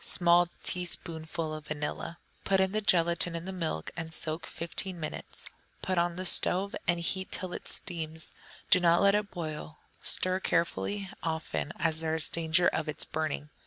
Small teaspoonful of vanilla. Put the gelatine in the milk and soak fifteen minutes; put on the stove and heat till it steams, but do not let it boil; stir carefully often, as there is danger of its burning.